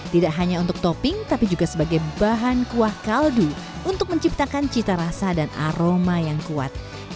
tidak hanya untuk topping tapi juga sebagai bahan kuah kaldu untuk menciptakan cita rasa dan aroma yang kuat